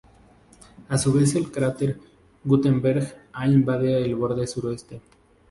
A su vez el cráter "Gutenberg A" invade el borde suroeste.